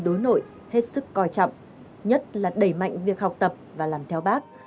đối nội hết sức coi trọng nhất là đẩy mạnh việc học tập và làm theo bác